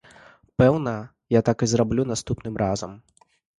Пэўна, я так і зраблю наступным разам.